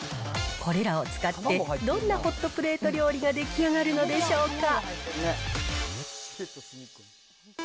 これらを使ってどんなホットプレート料理が出来上がるのでしょうか。